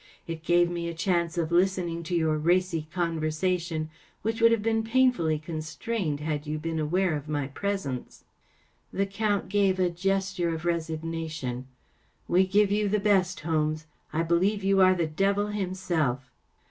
It gave me a chance of listening to your racy conversation, which would have been pain¬ fully constrained had you been aware of my presence.‚ÄĚ 1 The Count gave a gesture of resignation. “ We give you best. Holmes. I believe you are the devil himself.